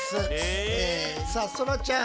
さあそらちゃん。